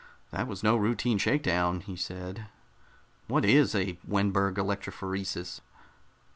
"That was no routine shakedown!" he said. "What is a Wenberg electrophoresis?"